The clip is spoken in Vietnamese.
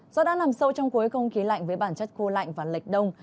do đã nằm sâu trong khối không khí lạnh với bản chất khô lạnh và lệch đông